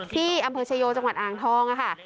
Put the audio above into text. ที่อำเภอชายโยจังหวัดอ่างทองค่ะ